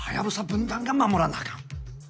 分団が守らなあかん。